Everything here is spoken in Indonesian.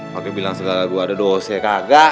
mungkin bilang segala gue ada dosa ya kagak